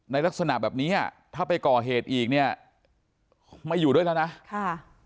ในลักษณะแบบนี้ถ้าไปก่อเหตุอีกไม่อยู่ด้วยแล้วนะ